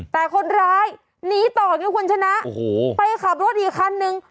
แต่คนร้ายหนีต่อไงคุณชนะโอ้โหไปขับรถอีกคันนึง